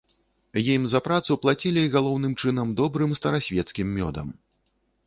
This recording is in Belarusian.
Ім за працу плацілі галоўным чынам добрым старасвецкім мёдам.